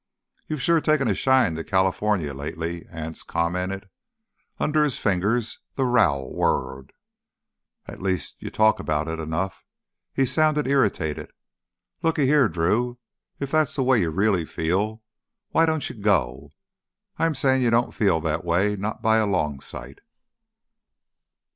"You've sure taken a shine to Californy lately," Anse commented. Under his fingers the rowel whirred. "At least you talk about it enough." He sounded irritated. "Looky here, Drew, if that's the way you really feel, why don't you go? I'm sayin' you don't feel that way, not by a long sight."